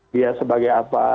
dia sebagai apa